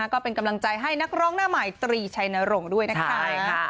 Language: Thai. ก็เป็นกำลังใจให้นักร้องหน้าใหม่ตรีชัยนรงค์ด้วยนะคะ